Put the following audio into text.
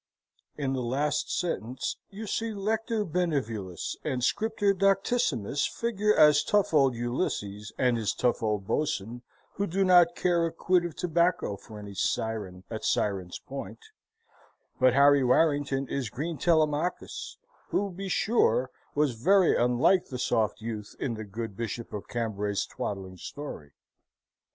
In the last sentence you see Lector Benevolus and Scriptor Doctissimus figure as tough old Ulysses and his tough old Boatswain, who do not care a quid of tobacco for any Siren at Sirens' Point; but Harry Warrington is green Telemachus, who, be sure, was very unlike the soft youth in the good Bishop of Cambray's twaddling story.